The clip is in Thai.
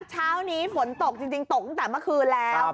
เช้านี้ฝนตกจริงตกตั้งแต่เมื่อคืนแล้ว